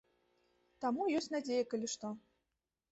Таму ёсць надзея, калі што.